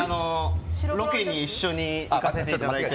ロケに一緒に行かせていただいて。